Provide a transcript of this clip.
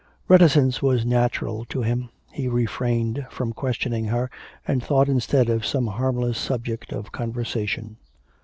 Reticence was natural to him; he refrained from questioning her, and thought instead of some harmless subject of conversation.